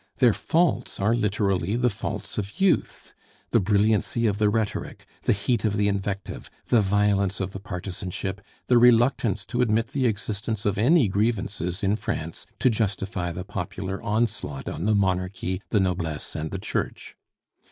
Their faults are literally the faults of youth: the brilliancy of the rhetoric, the heat of the invective, the violence of the partisanship, the reluctance to admit the existence of any grievances in France to justify the popular onslaught on the monarchy, the noblesse, and the Church.